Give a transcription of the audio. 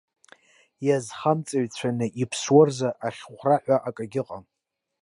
Иазхамҵаҩцәаны иԥсуа рзы ахьхәра ҳәа акагьы ыҟам.